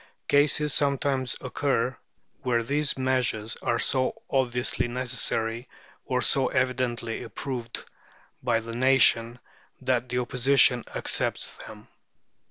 Cases sometimes occur where these measures are so obviously necessary, or so evidently approved by the nation, that the Opposition accepts them.